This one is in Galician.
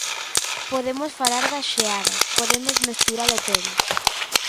Podemos falar das xeadas, podemos mesturalo todo.